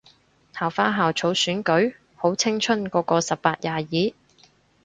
校花校草選舉？好青春個個十八廿二